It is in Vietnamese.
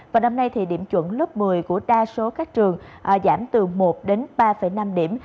vào năm nay thì điểm chuẩn lớp một mươi của đa số các trường giảm từ một đến ba năm điểm